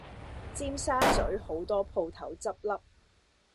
尖沙咀好多舖頭執笠